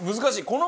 難しい。